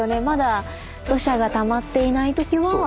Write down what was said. まだ土砂がたまっていない時は。